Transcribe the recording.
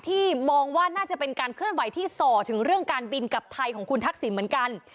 มองว่าน่าจะเป็นการเคลื่อนไหวที่ส่อถึงเรื่องการบินกับไทยของคุณทักษิณเหมือนกัน